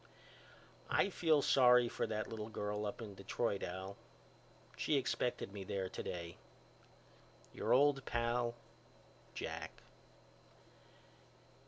I feel sorry for that little girl up in Detroit Al. She expected me there today. Your old pal, JACK.